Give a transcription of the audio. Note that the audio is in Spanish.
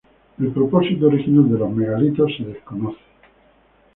El propósito original de los megalitos se desconoce.